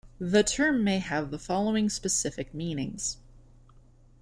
The term may have the following specific meanings.